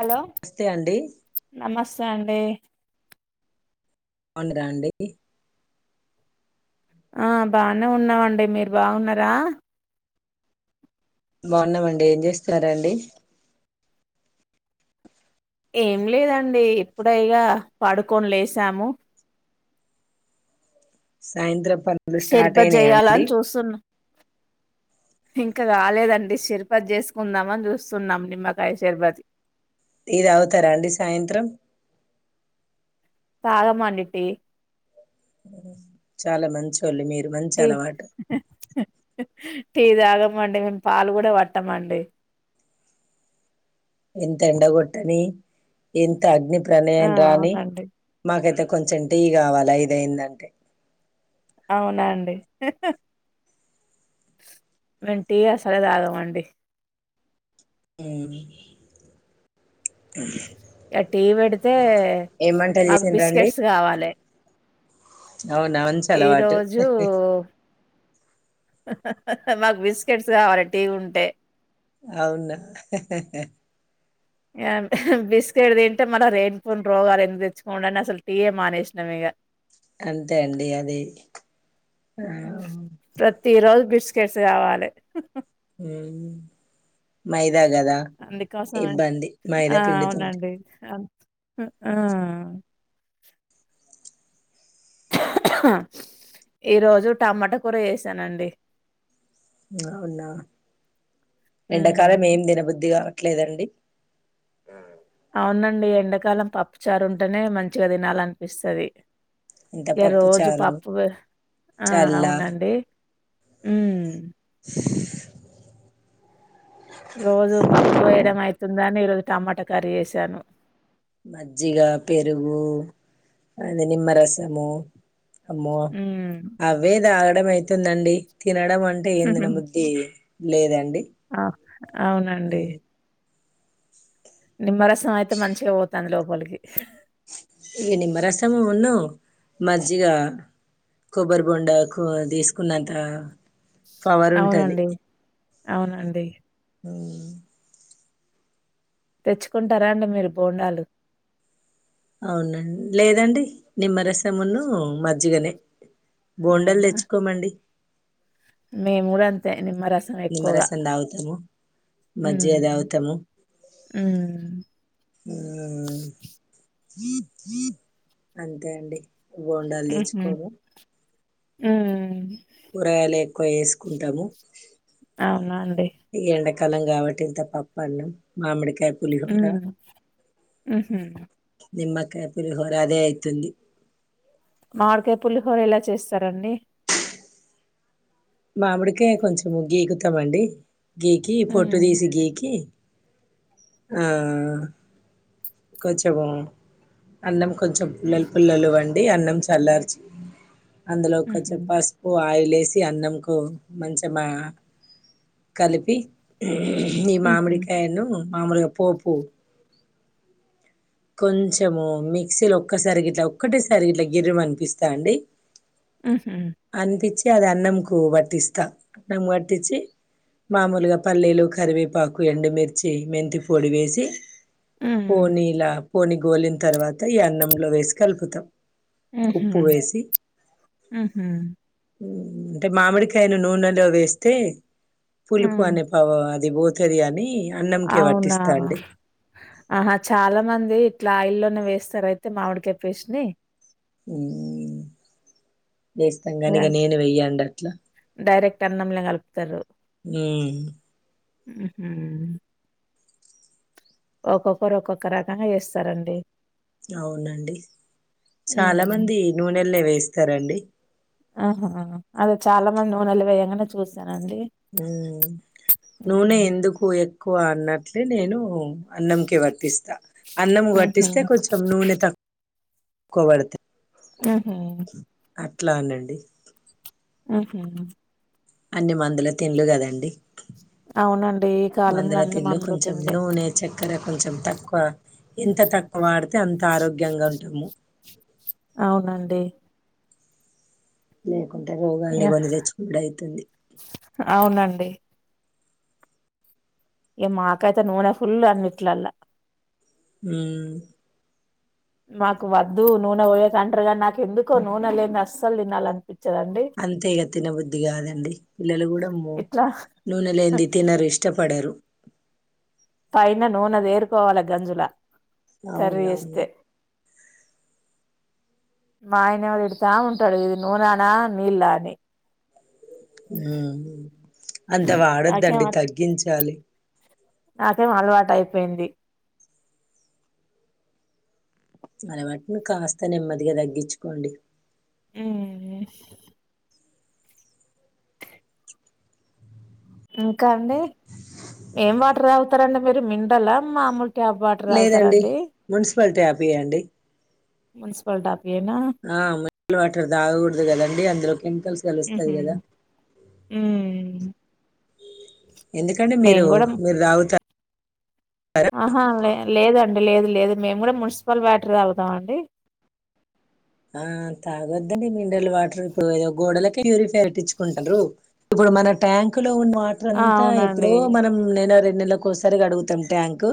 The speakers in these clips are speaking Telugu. హలో తే అండి నమస్తే అండీ పండరండి [inaudible] ఆ బానే ఉన్నామండి మీరు బాగున్నారా బాగున్నామండి ఏం చేస్తున్నారండి ఏం లేదండి ఇప్పుడే ఇక పడుకొని లేచాము సాయంత్రం పనులు స్టార్ట్ అయినాయండి సున్ ఇంకా రాలేదండి శరభత్ చేసుకుందామ చూస్తున్నాం నిమ్మకాయ శరభత్ టీ తాగుతారండి సాయంత్రం తాగమండి టీ ఉహు చాలా మంచోళ్ళు మీరు మంచి టీ అలవాటు టీ తాగమండి మేము పాలు కూడా పట్టమండి ఎంత ఎండ కొట్టని ఎంత ఆ అగ్నిప్రయణం రాణి అవునండి మాకైతే కొంచెం టీ కావాలి ఐదేంటంటే అవునండి మేము టి అసలు తాగమండి ఉ ఇగ టీ పెడితే వంటలు మాకు చేసిండ్రండి బిస్కెట్స్ కావాలి అవునా అలవాటు ఈరోజు హహహహ మాకు బిస్కెట్స్ కావాలి టీ ఉంటే అవునా హే హే హే హే అంటే ఇహ్ బిస్కెట్ తింటే మన లేనిపోని రోగాలు ఎందుకు తెచ్చుకోవడం అసలు టి ఏ మానేసినాం ఇగ అంతే అండి అది ఆ ప్రతిరోజు బిస్కెట్స్ కావాలి ఉ మైదా కదా అందుకోసమని ఇబ్బంది మైదా ఆ పిండితోటి అవునండి ఉ ఈరోజు టమోటా కూర చేశానండి అవునా హ్మ్ ఎండాకాలం ఏమీ తిని బుద్ధి కావట్లేదండి అవునండి ఎండాకాలం పప్పు చారు ఉంటేనే మంచిగా తినాలనిపిస్తది ఇంత ఇంకా పప్పు రోజు చారు పప్పు ఆ చల్ల అవునండి ఉ స్ రోజు పప్పువేయడం అయితుందని ఈరోజు టమాట కర్రీ చేశాను మజ్జిగ, పెరుగు అది నిమ్మరసము అమ్మో హ్మ్. అవే తాగడం అయితుందండి తినడం అంటే ఏం తిన బుద్ధి ది లేదండి. ఆ అవునండి నిమ్మరసం అయితే మంచిగా పోతాంది లోపలికి ఈ నిమ్మరసమును మజ్జిగ కొబ్బరి బోండా కు తీసుకున్నంత పవర్ ఉంటది అవునండి అవునండి. ఉ తెచ్చుకుంటారా అండి మీరు బోండాలు అవును లేదండి నిమ్మరసమును మజ్జిగనే బోండాలు అవునా? తెచ్చుకోమండి మేము గూడ అంతే నిమ్మరస నిమ్మరసం తాగుతాము మజ్జిగ హ్మ్. దాగుతాము హ్మ్. అంతే అండి బోండాలు ఆహ అవున్ తెచ్చుకోము ఊరగాయలు ఎక్కువ యేసుకుంటాము అవునా అండి ఎండాకాలం కాబట్టి ఇంత పప్పన్నం మామిడికాయ పులిహోర ఉను ఆహ నిమ్మకాయ పులిహోర అదే అయితుంది మామిడికాయ పులిహోర ఎలా చేస్తారండి మామిడికాయ కొంచం గీకుతామండి గీకి పొట్టు హ్మ్. తీసి గీకి ఆ కొంచెము అన్నం కొంచెం పుల్లలు పుల్లలు వండి అన్నం చల్లార్చి అందులో హుహు. కొంచెం పస్ పసుపు ఆయిల్ యేసి అన్నంకు మంచమా కలిపి ఈ హుహు. మామిడికాయను మామూలుగా పోపు కొంచెము మిక్సీలో ఒక్కసారి గిట్లా ఒక్కటే సారి ఇట్లా గిర్రమ్ అనిపిస్తా అండి ఉహు అనిపించి అది అన్నం కు పట్టిస్తా అన్నము కు పట్టిచ్చి మామూలుగా పల్లీలు కరివేపాకు ఎండుమిర్చి మెంతి పొడి వేసి హ్మ్. పోనీ ఇలా పోని గోలిన తర్వాత ఈ అన్నంలో వేసి కలుపుతా హుహు. ఉప్పు వేసి హుహు. అంటే మామిడికాయను నూనెలో వేస్తే పులుపు హ్మ్. అనే పవ అది పోతాది అని అన్నంకే పట్టిస్తా అవునా! అండి ఆహా చాలా మంది ఇట్లా ఆయిల్ లోనే వేస్తారు అయితే మామిడికాయ పేస్ట్ ని వేస్తాం కాని ఇగ యాహ్! నేను వెయ్యానండి అట్లా డైరెక్ట్ అన్నంలోనే కలుపుతారు ఉమ్ ఉహు ఒకొకరు ఒక్కొక్క రకంగా చేస్తారండి అవునండి హ్మ్. చాలామంది నూనెల్లో వేస్తారండి ఆహ అదే చాలా మంది నూనెలో వేయ్యంగానే చూసానండి హుహు. నూనె ఎందుకు ఎక్కువ అన్నట్లే నేను అన్నం కే పట్టిస్తా అన్నంముకు హుహు. పట్టిస్తే కొంచెం నూనె తక్కు తక్కువ పడతాయి ఆహా అట్లా అనండి ఆహా అవును అన్ని మందుల తిండ్లు కదండి అవునండి. ఈ కాలంలో మందుల అన్ని తిండ్లు మందులు కొంచెం తిండే. నూనె చక్కెర కొంచెం తక్కువ ఎంత తక్కువ వాడితే అంత ఆరోగ్యంగా ఉంటాము అవునండి లేకుంటే రోగాల్ని యాహ్! కొని తెచ్చుకోనుడు అయితుంది అవునండి ఏ మాకైతే నూనె ఫుల్ అన్నిట్లల్ల ఉమ్ నాకు వద్దు నూనె వోయేస్ అంటర్ గన్ నాక్ ఎందుకో నూనె లేంద్ అస్సలు తినాలన్ చ్చదండి అంతేగ తినబుద్ధి కాదండి పిల్లలు కూడా మో ఇట్లా నూనె లేంది తినరు ఇష్టపడరు పైన నూనె తేరుకోవాలె గంజుల కర్రీ అవునవును యేస్తే మా ఆయనేవొ తిడతా ఉంటడు ఇది నూనానా నీళ్ళ అని ఉమ్ అంత నాకేం వాడద్దండి తగ్గించాలి నాకేం అలవాటయిపోయింది అలవాట్ను కాస్త నెమ్మదిగా దగ్గిచుకోండి ఉమ్మ్మ్ హ్ ఇంకా అండి ఏం వాటర్ తగుతారండి మీరు మిండల మామూల్ ట్యాబ్ వాటర్ తగుతారా లేదండి అండి మున్సిపల్ ట్యాప్ ఇయ్యండి మున్సిపల్ టాప్యినా ఆ మిల్ వాటర్ తాగకూడదు గదండి అందులో కెమికల్స్ కలుస్తాయ్ గద ఊమ్ ఎందుకండి మీరు కూడా మీర్ తాగుత్ అహా లే లేదండి లేదు లేదు మేము గూడ మున్సిపల్ వాటర్ యే తాగుతాం అండి ఆ తాగొద్దండి మినరల్ వాటరు ఇప్పుడు ఏదో గోడలక్ ప్యూరిఫై వెట్టించ్చుకుంటారు ఇప్పుడు మన ట్యాంకు లో ఉన్న వాట్ ఆ త్రంతా ఎప్పుడో అవునండి మనం నెల రెండ్ నెలకోసారి కడుగుతాం ట్యాంక్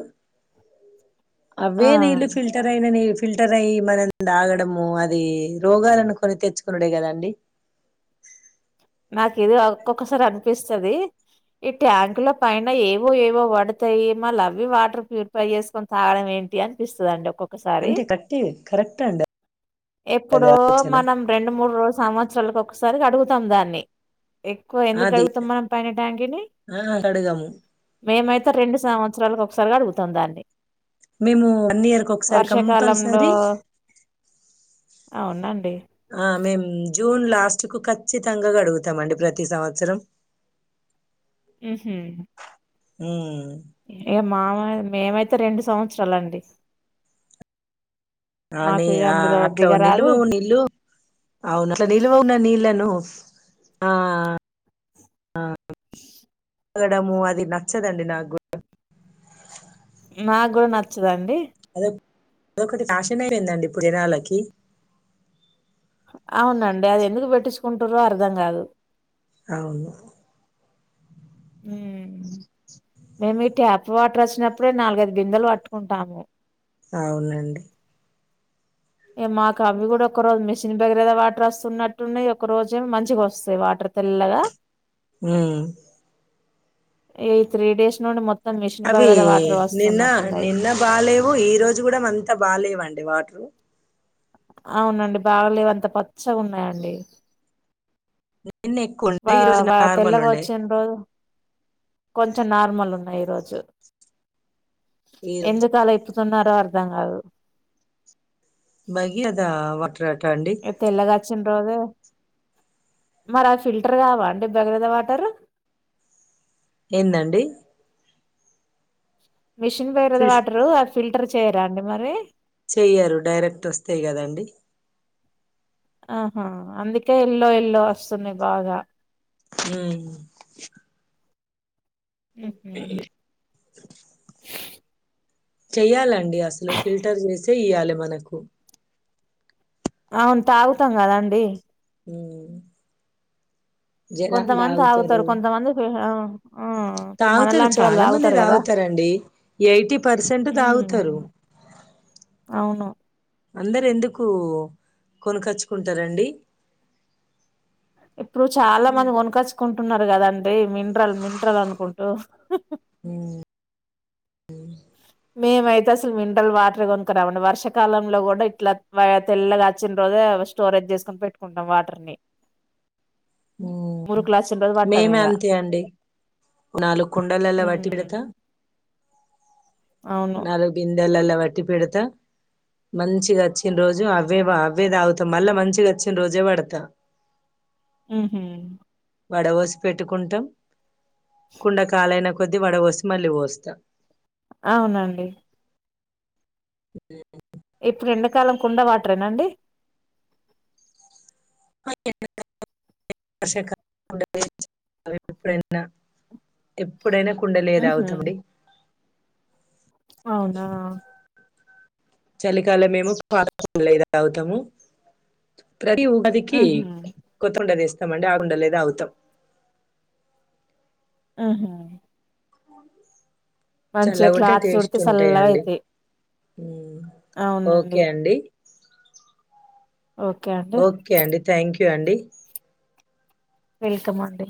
అవ్వే నీళ్లు ఆ ఫిల్టర్ అయిన నీ ఫిల్టర్ అయ్యి మనం తాగడము అద్ దీ రోగాలను కొని తెచ్చుకునుడే కదాండి నాకేదో అ ఒక్కొక్కసారి అనిపిస్తది ఈ ట్యాంకు ల పైన ఏవో ఏవో వడతయి మళ్ళవి వాటర్ ప్యూరిఫై చేసుకొన్ తాగడం ఏంటి అనిపిస్తుందండ్ ఒక్కొక్ ఒక్కసారి అంతే కరెక్టే కరెక్ట్ అండి అది ఎప్పుడో ఆలోచన మనం రెండు మూడ్ రో సంవత్సరాలకొక్కసారి కడుగుతాం దాన్ని ఎక్కువ ఎందుక్ అది గడుగుతాం మనం పైన ట్యాంకీని ఆ అడగము మేమైతే రెండు సంవత్సరాలక్ ఒకసారి కడుగుతం దాన్ని మేము వన్ ఇయర్ కొక్కసారి వర్షాకాలంలో కంపల్సరీ అవునండి ఆ మేం జూన్ లాస్ట్ కు ఖచ్చితంగా కడుగుతామండి ప్రతి సంవత్సరం ఉహుమ్ ఉమ్మ్ ఏ మావై మేమైతే రెండు సంవత్సరాలండి ఆని మాకు ఇగ ఆ అందులో అట్లా దిగరాదు నిల్వవు నిల్లు అవును అట్ల నిలువ ఉన్నా నీళ్ళను ఆ అ గడము అది నచ్చదండి నాగ్గూ నాగ్గూడా నచ్చదండి అదెప్ అదొకటి ఫ్యాషన్ అయిందండి ఇప్పుడ్ జనాలకి అవునండి అది ఎందుకు పెట్టించుకుంటురో అర్ధం కాదు ఔను హుమ్ మేమి ట్యాప్ వాటర్ వచ్చినప్పుడే నాలుగైదు బిందెలు వట్టుకుంటాము ఔనండి ఇగ మాకవ్వి గుడ ఒకరోజు మిషిన్ దగ్గరద వాటర్ వస్తున్నట్టున్నయ్ ఒక రోజేమో మంచిగొస్తయి వాటర్ తెల్లగా ఉమ్ ఇగ ఈ త్రీ డేస్ నుండి మొత్తం మిషిన్ అవి భగీరథ వాటర్ నిన్న వస్తున్నట్టున్నయ్ నిన్న బాలేవు ఈ రోజు గుడం అంత బాలేవండి వాటరు అవునండి బాగలేవ్ అంత పచ్చగున్నాయండి ఇన్నె వా వ తెల్లగొచ్చిన్ రోజు కొంచెం నార్మల్ ఉన్నయ్ ఈరోజు ఈ రోజు ఎందుకలా ఇప్పు తున్నారో అర్థం గాదు భగీరథా వటరట అండి ఇగ తెల్లగా అచ్చిన్ రోజు మరి అవి ఫిల్టర్ కావాండి భగీరథ వాటరు ఏందండి మిషిన్ భగీరథ ఫిష్ వాటరు అద్ ఫిల్టర్ చేయరాండి మరి చెయ్యరు డైరెక్ట్ వస్తయ్ గదండి ఆహా అందుకే ఎల్లో ఎల్లో వస్తున్నయి బాగా హుమ్ ఉహూ చెయ్యాలండి అసలు ఫిల్టర్ చజేసే ఇయ్యాలె మనకు ఔన్ తాగుతం గదండి ఉమ్ జనాల్ కొంతమంది దాగుతరు తాగుతారు కొంతమంది ఫి- ఆ ఆ ఇప్పుడు తాగుతరు మనలాంటి వాళ్ళు చాలా మంది తాగుతారు కదా తాగుతరండి ఎయిటీ పర్సెంట్ తాగుతరు ఔను అందరెందుకూ కొనకచ్చుకుంటరండి ఇప్పుడు చాలా మంది కొనకచ్చ కుంటున్నార్గదండి మిన్రల్ మిన్రల్ అనుకుంటూ హు మేమైతసల్ మిన్రల్ వాటరే కొన్కరామండి వర్షకాలంలో గుడ ఇట్లా తెల్లగచ్చిన రోజే స్టోరేజ్ చేస్కున్ పెట్టుకుంటం వాటర్ ని హ్మ్ మరుకులచ్చిన్ రోజ్ వట్టమిగా నాలుకుండలల వట్టి వెడతా అవును నాలుబిందెల్లాల వట్టి పేడత మంచిగచ్చిన రోజు అవే అవే తాగుతం మళ్ళా మంచిగొచ్చిన్ రోజే వడతా ఉహూ వడవొస్ పెట్టుకుంటం కుండ కాలైన కొద్దీ వడవొస్ మళ్ళీ వోస్తా ఔనండి ఇ ఇప్పుడెండకాలం కుండ వాటరేనాండి [unintelligible] ఎప్పుడైన కుండలయే ఉహు తాగుతమండి ఔనా చలికాల మేమో పాలు తాగుతాము ప్రతి ఉగాదికి ఉహు కొత్త ఉండేద్ ఎస్తామండి ఆగు ఉండలేదా అగుతాం. ఉహుహ్ నో దీస్ మంచిగా చల్లగుంటే క్లాత్ టేస్ట్ చుడితే సల్లగా ఉంటాయండి అయితాయి ఉహ్ ఓకే అవునండి అండి. ఓకే అండి. కే అండి థ్యాంక్యూ అండి. వెల్కమ్ అండి.